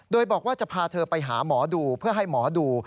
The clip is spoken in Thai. โดยบอกว่าจะพาเธอไปหาหมอดูเพื่อให้หมอดู